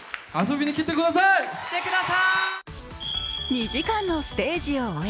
２時間のステージを終え